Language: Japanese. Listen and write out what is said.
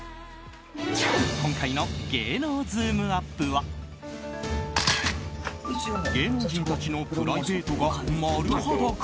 今回の芸能ズームＵＰ！は芸能人たちのプライベートが丸裸？